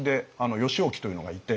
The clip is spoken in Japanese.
義興というのがいて。